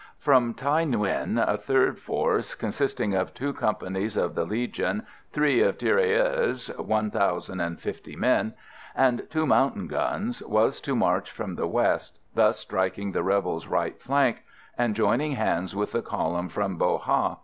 From Thaï Nguyen a third force, consisting of two companies of the Legion, three of tirailleurs (one thousand and fifty men), and two mountain guns, was to march from the west, thus striking the rebels' right flank, and joining hands with the column from Bo Ha.